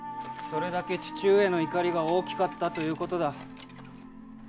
それだけ父上の怒りが大きかったということだ。